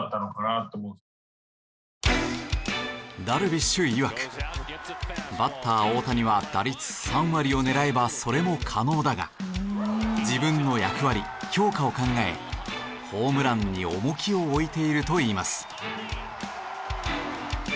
ダルビッシュいわくバッター大谷は打率３割を狙えばそれも可能だが自分の役割評価を考えホームランに重きを置いているといいます。